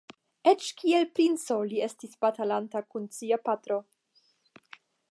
Eĉ kiel princo li estis batalanta kun sia patro.